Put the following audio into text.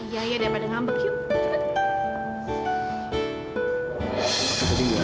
iya ya daripada ngambek yuk